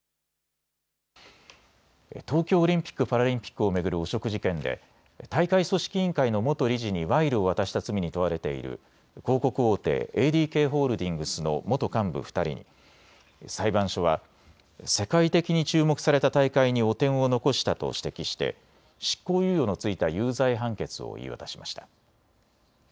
東京オリンピック・パラリンピックを巡る汚職事件で大会組織委員会の元理事に賄賂を渡した罪に問われている広告大手、ＡＤＫホールディングスの元幹部２人に裁判所は世界的に注目された大会に汚点を残したと指摘して執行猶予の付いた有罪判決を言い渡しました。